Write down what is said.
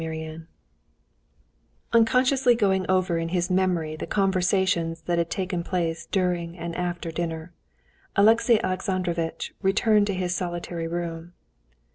Chapter 17 Unconsciously going over in his memory the conversations that had taken place during and after dinner, Alexey Alexandrovitch returned to his solitary room.